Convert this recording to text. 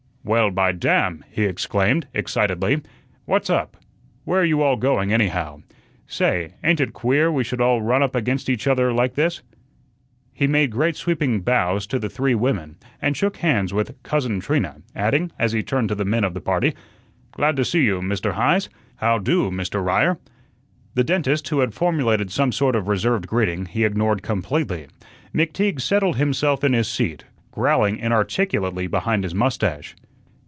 "Well, by damn!" he exclaimed, excitedly. "What's up? Where you all going, anyhow? Say, ain't ut queer we should all run up against each other like this?" He made great sweeping bows to the three women, and shook hands with "Cousin Trina," adding, as he turned to the men of the party, "Glad to see you, Mister Heise. How do, Mister Ryer?" The dentist, who had formulated some sort of reserved greeting, he ignored completely. McTeague settled himself in his seat, growling inarticulately behind his mustache.